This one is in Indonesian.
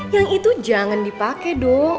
yang itu jangan dipakai dong